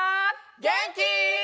げんき？